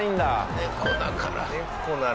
猫だから。